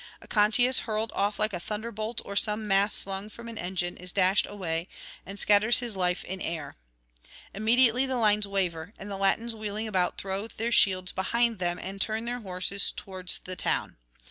Aconteus, hurled off like a thunderbolt or some mass slung from an engine, is dashed away, and scatters his life in air. Immediately the lines waver, and the Latins wheeling about throw their shields behind them and turn their horses towards the town.